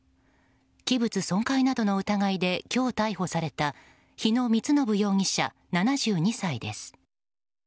器物損壊などの疑いで今日、逮捕された日野充信容疑者、７２歳です。